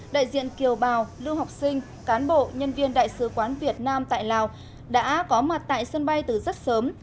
đại diện kiều bào lưu học sinh cán bộ nhân viên đại sứ quán việt nam tại lào đã có mặt tại sân bay từ rất sớm